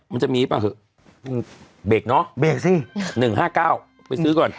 มันจะมีป่ะเถอะเบรกเนอะเบรกสิหนึ่งห้าเก้าไปซื้อก่อน